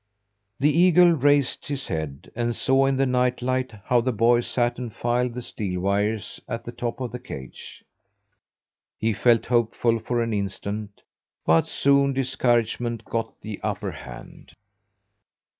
The eagle raised his head, and saw in the night light how the boy sat and filed the steel wires at the top of the cage. He felt hopeful for an instant, but soon discouragement got the upper hand.